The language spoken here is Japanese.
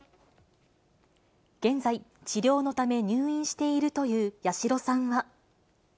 現在、治療のため入院しているという八代さんは。